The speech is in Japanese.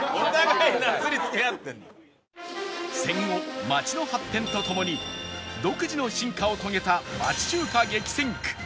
戦後町の発展とともに独自の進化を遂げた